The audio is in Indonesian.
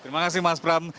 terima kasih mas pram